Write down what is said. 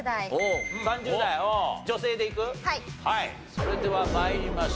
それでは参りましょう。